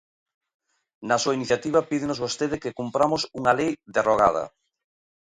Na súa iniciativa pídenos vostede que cumpramos unha lei derrogada.